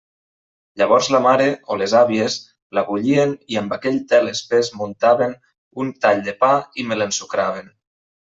Llavors la mare o les àvies la bullien i amb aquell tel espès m'untaven un tall de pa i me l'ensucraven.